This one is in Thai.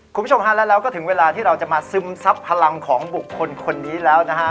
คุณผู้ชมฮะแล้วเราก็ถึงเวลาที่เราจะมาซึมซับพลังของบุคคลคนนี้แล้วนะฮะ